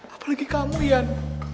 apalagi kamu ian